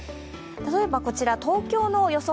例えばこちら、東京の予想